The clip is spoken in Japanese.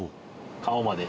顔まで。